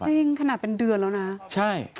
จริงขนาดเป็นเดือนแล้วนะใช่